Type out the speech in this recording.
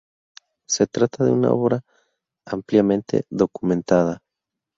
Se trata de una obra ampliamente documentada.